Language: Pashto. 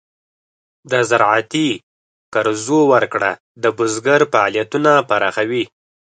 د زراعتي قرضو ورکړه د بزګر فعالیتونه پراخوي.